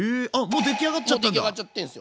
もうできあがっちゃったんだ？